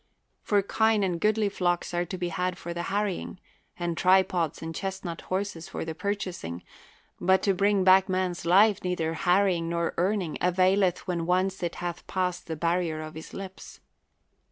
For kine and goodly flocks are to be had for the harrying, and tripods and chestnut horses for the purchasing; but to bring back man's life neither harrying nor earning avail eth when once it hath passed the barrier of his lips.